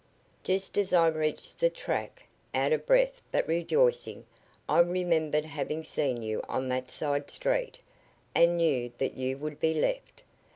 "Just as I reached the track, out of breath but rejoicing, I remembered having seen you on that side street, and knew that you would be left.